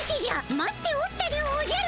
待っておったでおじゃる。